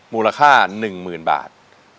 มูลค่าหนึ่งหมื่นบาท